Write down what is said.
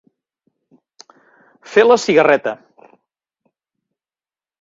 Fer la cigarreta.